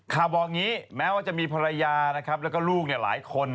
บอกอย่างนี้แม้ว่าจะมีภรรยานะครับแล้วก็ลูกหลายคน